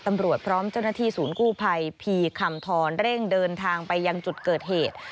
พร้อมเจ้าหน้าที่ศูนย์กู้ภัยพีคำทรเร่งเดินทางไปยังจุดเกิดเหตุ